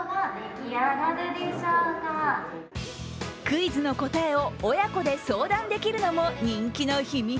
クイズの答えを親子で相談できるのも人気の秘密。